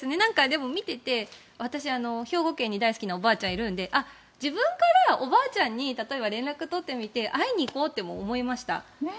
でも、見ていて私、兵庫県に大好きなおばあちゃんがいるので自分からおばあちゃんに例えば連絡とってみて会いに行こうって思いました。